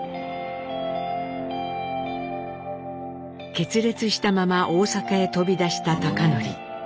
決裂したまま大阪へ飛び出した貴教。